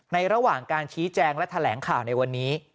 ระหว่างการชี้แจงและแถลงข่าวในวันนี้